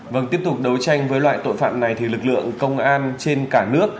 vâng tiếp tục đấu tranh với loại tội phạm này thì lực lượng công an trên cả nước